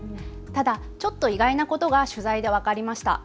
ただちょっと意外なことが取材で分かりました。